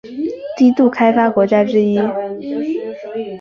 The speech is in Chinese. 低度开发国家之一。